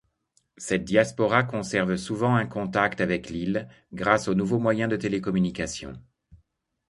Cette diaspora conserve souvent un contact avec l'ile grâce aux nouveaux moyens de télécommunication.